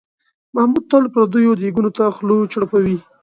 محمود تل پردیو دیګونو ته خوله چړپوي.